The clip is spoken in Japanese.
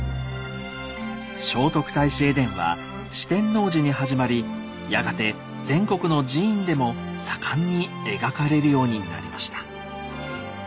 「聖徳太子絵伝」は四天王寺に始まりやがて全国の寺院でも盛んに描かれるようになりました。